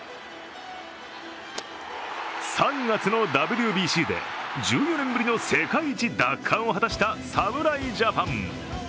３月のＷＢＣで１４年ぶりの世界一奪還を果たした侍ジャパン。